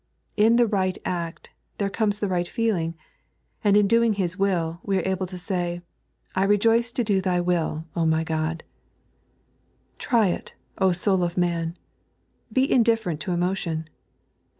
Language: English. In the right act, there comee the right feeling ; and in doing His will, we are able to say, " I rejoice to do Thy will, my God." Try it, soul of man. Be indifferent to emotion.